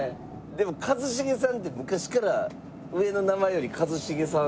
でも一茂さんって昔から上の名前より一茂さん